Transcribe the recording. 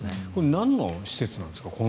何の施設なんですか？